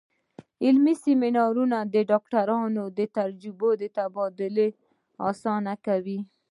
علمي سیمینارونه د ډاکټرانو د تجربې تبادله اسانه کوي.